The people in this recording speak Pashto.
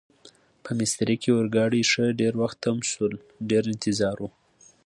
په میسترې کې اورګاډي ښه ډېر وخت تم شول، ډېر انتظار و.